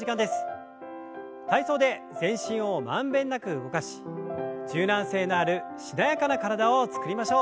体操で全身を満遍なく動かし柔軟性のあるしなやかな体を作りましょう。